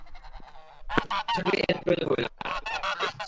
আশা করি এর প্রয়োজন হবে না, আমি উদার মনে এসেছি।